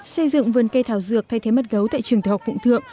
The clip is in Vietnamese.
xây dựng vườn cây thảo dược thay thế mất gấu tại trường thiểu học phụng thượng